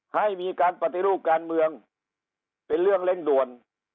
ให้มีการปฏิรูปการเมืองเป็นเรื่องเร่งด่วน